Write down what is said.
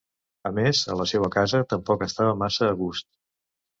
A més, a la seua casa tampoc estava massa a gust...